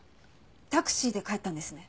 タクシーで帰ったんですね？